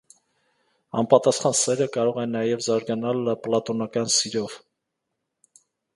Անպատասխան սերը կարող է նաև զարգանալ պլատոնական սիրով։